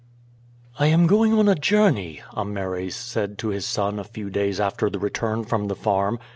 "I am going on a journey," Ameres said to his son a few days after the return from the farm.